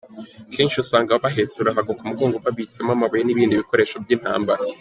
Kenshi usanga bahetse uruhago ku mugongo babitsemo amabuye n’ibindi bikoresho by ‘intambara.